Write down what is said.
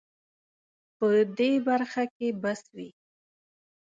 په دې برخه کې بس وي